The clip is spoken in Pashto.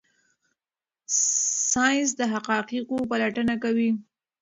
ساینس د حقایقو پلټنه کوي.